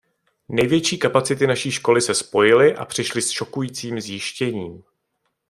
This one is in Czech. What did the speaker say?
Největší kapacity naší školy se spojily a přišly s šokujícím zjištěním.